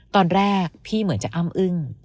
ตอนแรกพี่เหมือนจะอ้ำอึ้ง